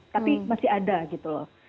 tapi masih ada gitu loh